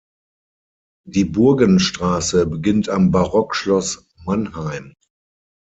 Die Burgenstraße beginnt am Barockschloss Mannheim.